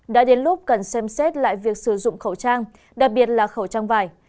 đã đến lúc cần xem xét lại việc sử dụng khẩu trang đặc biệt là khẩu trang vải